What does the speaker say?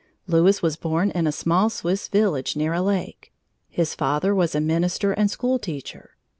Louis was born in a small Swiss village near a lake. His father was a minister and school teacher.